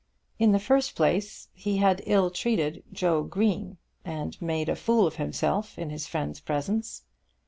In the first place, he had ill treated Joe Green, and had made a fool of himself in his friend's presence.